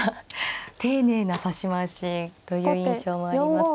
丁寧な指し回しという印象もあります。